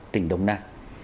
tỉnh đông nam